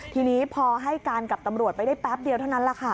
ทีนี้พอให้การกับตำรวจไปได้แป๊บเดียวเท่านั้นแหละค่ะ